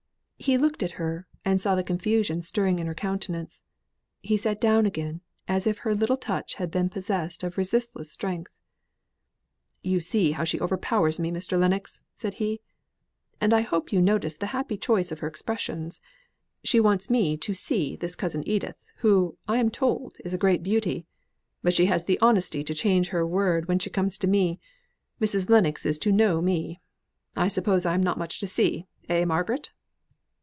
He looked at her, and saw the confusion stirring in her countenance; he sate down again, as if her little touch had been possessed of resistless strength. "You see how she overpowers me, Mr. Lennox," said he. "And I hope you noticed the happy choice of her expressions; she wants me to 'see' this cousin Edith, who, I am told, is a great beauty; but she has the honesty to change her word when she comes to me Mrs. Lennox is to 'know' me. I suppose I am not much to 'see,' eh, Margaret?"